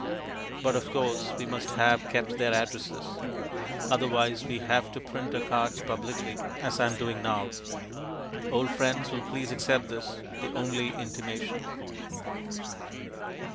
But, of course, we must have kept their addresses; otherwise we have to print our cards publicly as I am doing now. "Old friends will please accept this, the only intimation."